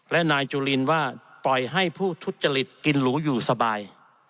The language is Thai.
และนายจุลินว่าปล่อยให้ผู้ทุจริตกินหรูอยู่สบาย